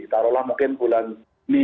taruhlah mungkin bulan juni